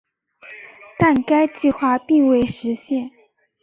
但该计划并未实现。